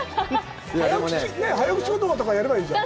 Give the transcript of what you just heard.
早口言葉とかやればいいじゃない。